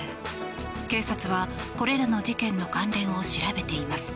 警察はこれらの事件の関連を調べています。